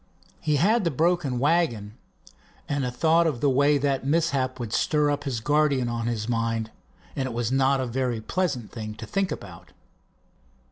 He had the broken wagon and a thought of the way that mishap would stir up his guardian on his mind, and it was not a very pleasant thing to think about.